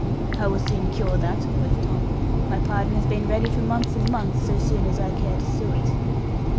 'I will soon cure that,' quoth Tom, 'my pardon has been ready for months and months, so soon as I care to sue it.'